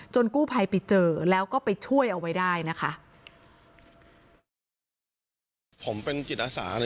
กู้ภัยไปเจอแล้วก็ไปช่วยเอาไว้ได้นะคะ